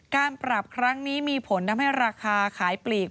การปรับครั้งนี้มีผลทำให้ราคาขายปลีก